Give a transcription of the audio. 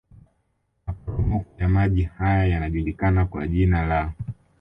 Maporomoko ya maji haya yanajulikana kwa jina la